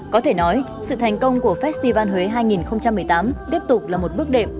có thể nói sự thành công của festival huế hai nghìn một mươi tám tiếp tục là một bước đệm